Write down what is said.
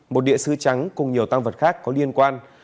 một địa sư trắng cùng nhiều tăng vật khác có liên quan